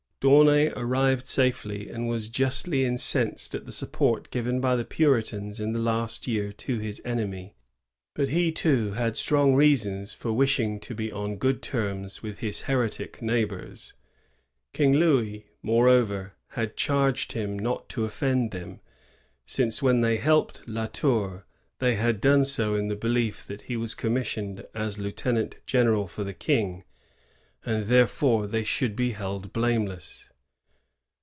D'Aunay arrived safely, and was justly incensed at the support given by the Puritans in the last year to his enemy. But he too had strong reasons for wishing to be on good terms with his heretic neighbors. King Louis, moreover, had charged him not to offend them, since, when they helped La Tour, they had done so in the belief that he was commissioned as lieutenant general for the King, and therefore they should be held blameless.